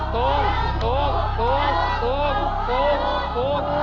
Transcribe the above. ถูก